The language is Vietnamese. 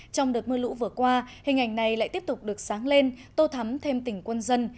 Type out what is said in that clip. trong đợt mưa lũ vừa qua hình ảnh này lại tiếp tục được sáng lên tô thắm thêm tỉnh quân dân